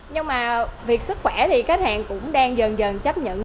nhưng mà việc sức khỏe thì khách hàng cũng đang dần dần chấp nhận